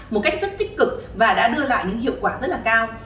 một cách rất tích cực và đã đưa lại những hiệu quả rất là cao